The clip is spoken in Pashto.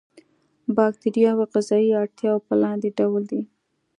د باکتریاوو غذایي اړتیاوې په لاندې ډول دي.